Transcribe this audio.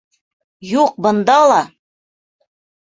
Юҡ, бында ла!